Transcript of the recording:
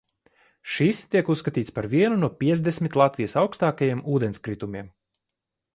Šis tiek uzskatīts par vienu no piecdesmit Latvijas augstākajiem ūdenskritumiem.